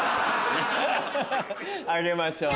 あげましょう。